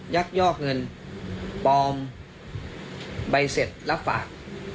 ยักยอกเงินปลอมใบเสร็จรับฝาก